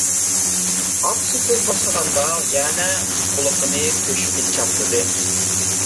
ئاپىسى سۆز باشلىغاندا يەنە قۇلىقىنى تۆشۈككە چاپلىدى.